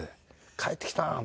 「帰ってきたん？」